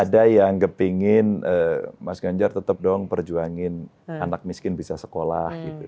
ada yang ngepingin mas ganjar tetep dong perjuangin anak miskin bisa sekolah